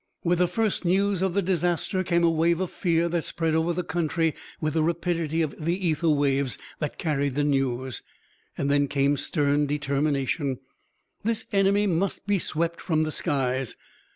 With the first news of the disaster came a wave of fear that spread over the country with the rapidity of the ether waves that carried the news. Then came stern determination. This enemy must be swept from the skies!